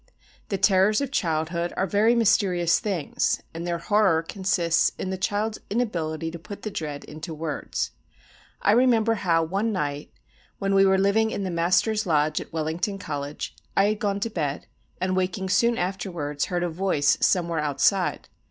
The terrors of childhood are very mysterious things, and their horror consists in the child's inability to put the dread into words. I remember how one night, when we were living in the Master's Lodge at Wellington College, I had gone to bed, and waking soon afterwards heard a voice somewhere outside.